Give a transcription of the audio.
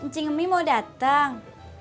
cing umi mau datang